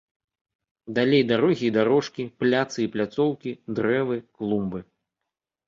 Далей дарогі і дарожкі, пляцы і пляцоўкі, дрэвы, клумбы.